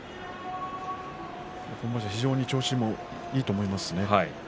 今場所、非常に調子もいいと思います。